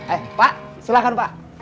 eh pak silahkan pak